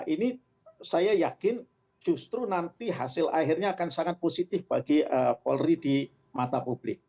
ini saya yakin justru nanti hasil akhirnya akan sangat positif bagi polri di mata publik